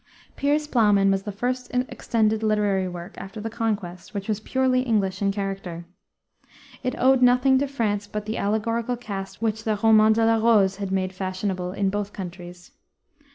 Piers Plowman was the first extended literary work after the Conquest which was purely English in character. It owed nothing to France but the allegorical cast which the Roman de la Rose had made fashionable in both countries.